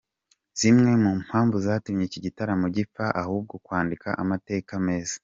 Zimwe mu mpamvu zatumye iki gitaramo gipfa aho kwandika amateka meza.